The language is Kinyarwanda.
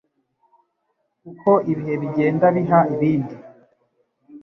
uko ibihe bigenda biha ibindi